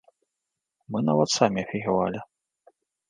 Мы нават самі афігевалі.